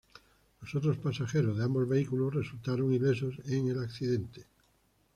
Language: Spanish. Los otros pasajeros de ambos vehículos resultaron ilesos en el accidente.